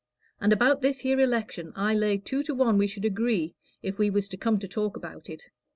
And about this here election, I lay two to one we should agree if we was to come to talk about it."